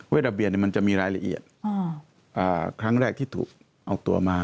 ระเบียนมันจะมีรายละเอียดครั้งแรกที่ถูกเอาตัวมา